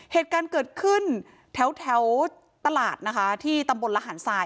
เหตุการณ์เกิดขึ้นแถวตลาดนะคะที่ตำบลระหารทราย